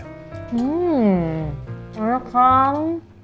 hmm enak kan